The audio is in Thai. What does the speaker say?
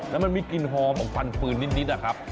แล้วมันมีกลิ่นหอมของฟันฟืนนิดนะครับ